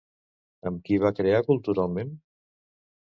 Amb qui va crear Culturalment?